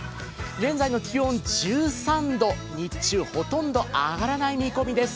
現在の気温、１３度、日中ほとんど上がらない見込みです。